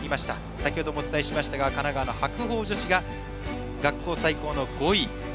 先程もお伝えしましたが神奈川の白鵬女子が学校最高の５位。